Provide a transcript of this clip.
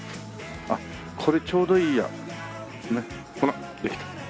あっこれちょうどいいや。